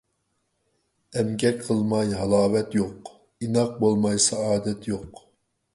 ئەمگەك قىلماي ھالاۋەت يوق، ئىناق بولماي سائادەت يوق.